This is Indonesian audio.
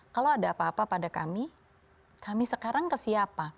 kalau ada apa apa pada kami kami sekarang ke siapa